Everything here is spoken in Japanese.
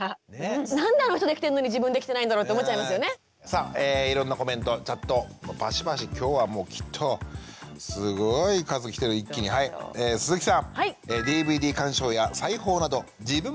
さあいろんなコメントチャットバシバシ今日はもうきっとすごい数来てる一気にはい鈴木さん。